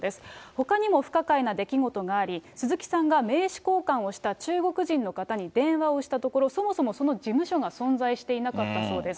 ほかにも不可解な出来事があり、鈴木さんが名刺交換をした中国人の方に電話をしたところ、そもそもその事務所が存在していなかったそうです。